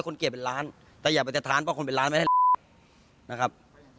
คนเกลียดเป็นร้านแต่อย่าไปแตะท้านบอกคนเป็นร้านไม่ได้นะครับ